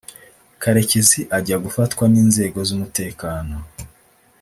Karekezi ajya gufatwa n’inzego z’umutekano